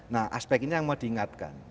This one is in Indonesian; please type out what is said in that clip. nah aspek ini yang mau diingatkan